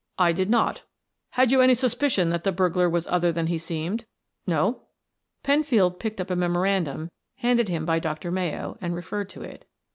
"I did not" "Had you any suspicion that the burglar was other than he seemed?" "No." Penfield picked up a memorandum handed him by Dr. Mayo and referred to it.